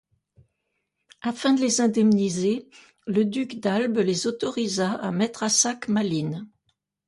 Afin de les indemniser, le duc d'Albe les autorisa à mettre à sac Malines.